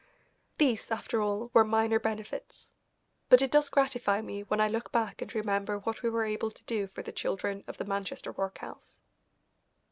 These, after all, were minor benefits. But it does gratify me when I look back and remember what we were able to do for the children of the Manchester workhouse.